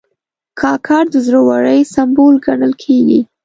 کاکړ د زړه ورۍ سمبول ګڼل کېږي.